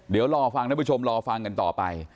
เดี๋ยวรอฟังท่านผู้ชมรอฟังกันต่อไป